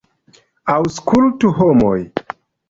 Aŭskultu, homoj!